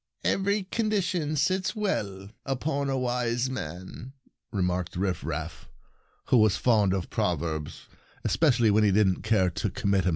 "'Every condition sits well Safe Play upon a wise man,' " remarked Rifraf, who was fond of proverbs, especially when he didn't care to commit himself.